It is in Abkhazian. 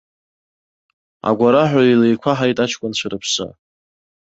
Агәараҳәа илеиқәаҳаит аҷкәынцәа рыԥсы.